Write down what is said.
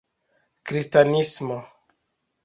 kristanismo